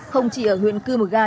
không chỉ ở huyện cư mga